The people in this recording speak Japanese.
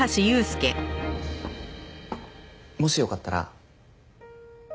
もしよかったら。